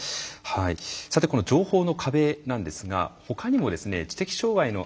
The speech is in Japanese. さて、この情報の壁なんですが他にも知的障害のある人からは